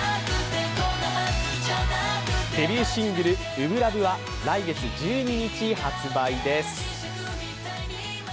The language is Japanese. デビューシングル「初心ＬＯＶＥ」は来月１２日発売です。